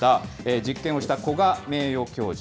実験をした古賀名誉教授。